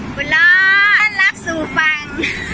คุณโรดต้นรักสู่ฝั่ง